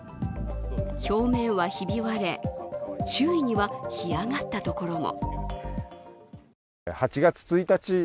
表面はひび割れ、周囲には干上がったところも。